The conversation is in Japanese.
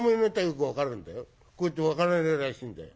こいつ分からねえらしいんだよ。